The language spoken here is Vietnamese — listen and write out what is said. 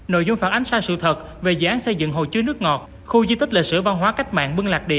nội dung phản ánh sai sự thật về dự án xây dựng hồ chứa nước ngọt khu di tích lệ sửa văn hóa cách mạng